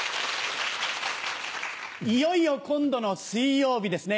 いよいよ今度の水曜日ですね。